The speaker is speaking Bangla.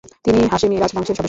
তিনি হাশেমি রাজবংশের সদস্য।